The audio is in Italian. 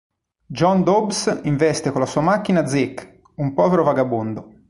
John Dobbs investe con la sua macchina Zeke, un povero vagabondo.